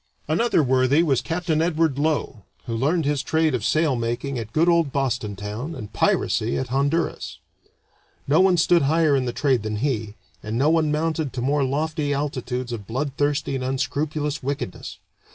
Another worthy was Capt. Edward Low, who learned his trade of sail making at good old Boston town, and piracy at Honduras. No one stood higher in the trade than he, and no one mounted to more lofty altitudes of bloodthirsty and unscrupulous wickedness.